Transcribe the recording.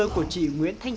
của chị nguyễn thanh tân